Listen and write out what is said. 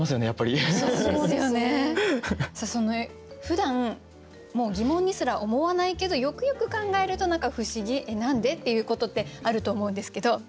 そのふだんもう疑問にすら思わないけどよくよく考えると何か不思議何で？っていうことってあると思うんですけど。